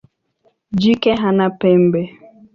Jike hana pembe.